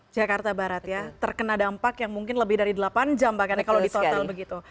jakarta barat ya terkena dampak yang mungkin lebih dari delapan jam bahkan ya kalau di total begitu